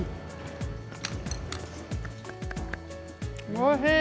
おいしい！